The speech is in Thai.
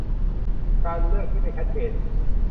การเลือกที่ไม่ชัดเจน